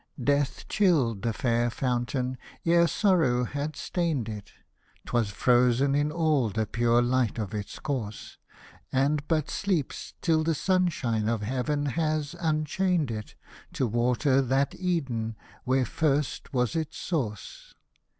Death chilled the fair fountain, ere sorrow had stained it, 'Twas frozen in all the pure light of its course, And but sleeps till the sunshine of Heaven has un chained it, To water that Eden where first was its source.